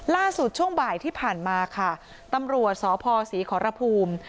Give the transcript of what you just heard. ช่วงบ่ายที่ผ่านมาค่ะตำรวจสพศรีขอรภูมิ